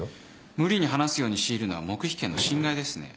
無理に話すように強いるのは黙秘権の侵害ですね。